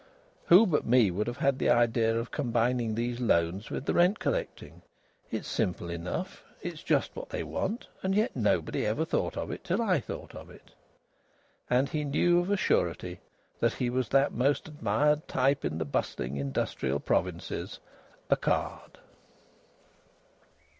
"Who but me would have had the idea of combining these loans with the rent collecting? It's simple enough! It's just what they want! And yet nobody ever thought of it till I thought of it!" And he knew of a surety that he was that most admired type in the bustling, industrial provinces a card.